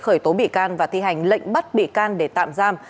khởi tố bị can và thi hành lệnh bắt bị can để tạm giam